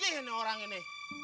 gih ini orang ini